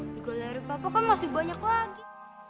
dikuleri bapak kan masih banyak lagi